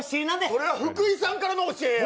俺は福井さんからの教えや。